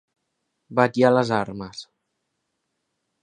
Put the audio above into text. Vetllar les armes.